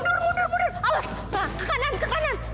awas ke kanan ke kanan